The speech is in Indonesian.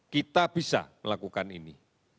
kita bisa melakukan ini